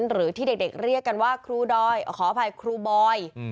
หรือที่เด็กเรียกกันว่าครูดอยขออภัยครูบอย